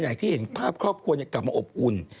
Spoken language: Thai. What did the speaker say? อย่างที่เห็นภาพครอบครัวกลับมาอบอุ่น